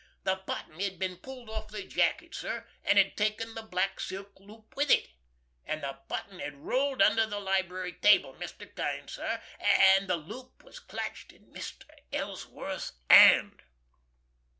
The button had been pulled off the jacket, sir, and had taken the black silk loop with it. And the button had rolled under the library table, Mr. Kane, sir, and the loop was clutched in Mr. Ellsworth's hand."